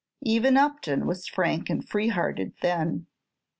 Even Upton was frank and free hearted then.